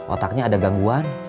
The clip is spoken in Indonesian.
otaknya ada gangguan